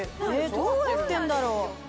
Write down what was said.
どうやってんだろう？